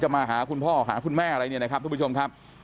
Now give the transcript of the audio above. มาหาคุณพ่อหาคุณแม่อะไรเนี่ยนะครับทุกผู้ชมครับ